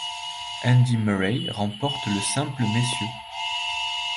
Andy Murray remporte le simple messieurs.